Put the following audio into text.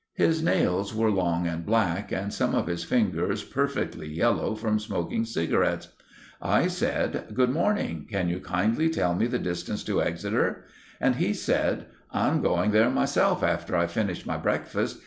His nails were long and black, and some of his fingers perfectly yellow from smoking cigarettes. I said— "Good morning! Can you kindly tell me the distance to Exeter?" And he said— "I'm going there myself after I've finished my breakfast.